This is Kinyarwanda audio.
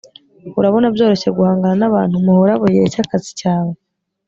Urabona byoroshye guhangana nabantu muhura mugihe cyakazi cyawe